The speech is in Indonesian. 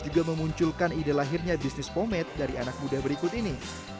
juga memunculkan ide lahirnya bisnis pomed dari anak muda berikut ini